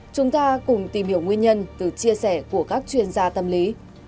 chúng ta cùng tìm hiểu nguyên nhân từ chia sẻ của các chuyên gia tâm lý